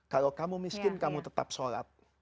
kalau kamu miskin kamu tetap sholat